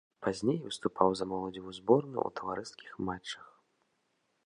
Пазней выступаў за моладзевую зборную ў таварыскіх матчах.